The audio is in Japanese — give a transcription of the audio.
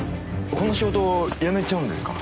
この仕事辞めちゃうんですか？